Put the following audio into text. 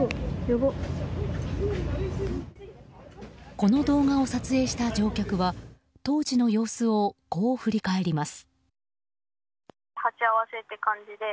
この動画を撮影した乗客は当時の様子をこう振り返ります。